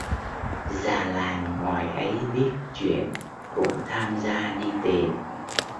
Già làng ngoài ấy biết chuyện cũng tham gia đi tìm